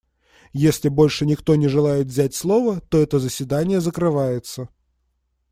Если больше никто не желает взять слово, то это заседание закрывается.